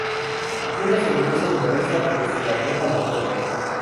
Tiene ascendencia libanesa por su abuela materna.